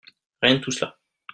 Rien de tout cela.